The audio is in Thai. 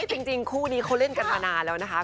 ฮัยจริงคู่อันนี้เขาเล่นกระทนะแล้วนะคะ